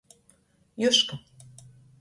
Juška.